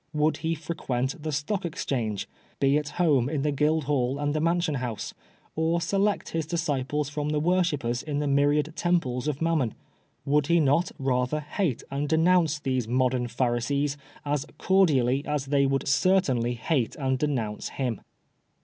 Would he frequent the Stock Exchange, be at home in the Guild hall and the Mansion House, or select his disciples from the worshippers in the myriad temples of Mam mon ? Would he not rather hate and denounce these modern Pharisees as cordially as they would certainly hate and denounce him.